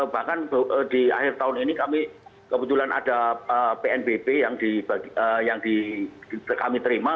bahkan di akhir tahun ini kami kebetulan ada pnbp yang kami terima